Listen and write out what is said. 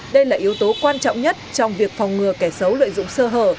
đây là yếu tố quan trọng nhất trong việc phòng ngừa kẻ xấu lợi dụng sơ hở